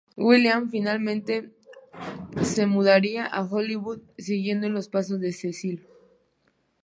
William finalmente se mudaría a Hollywood siguiendo los pasos de Cecil.